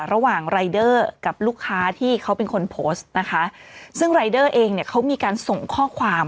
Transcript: รายเดอร์กับลูกค้าที่เขาเป็นคนโพสต์นะคะซึ่งรายเดอร์เองเนี่ยเขามีการส่งข้อความ